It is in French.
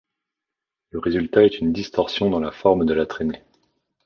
Le résultat est une distorsion dans la forme de la traînée.